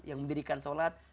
yang mendirikan sholat